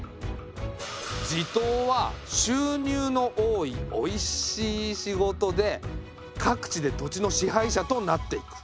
地頭は収入の多いおいしい仕事で各地で土地の支配者となっていく。